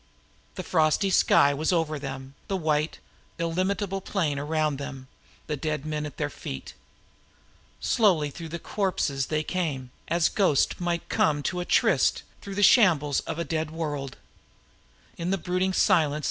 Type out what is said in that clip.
The frosty sky was over them, the white illimitable plain around them, the dead men at their feet. Slowly through the corpses they came, as ghosts might come to a tryst through the shambles of a world.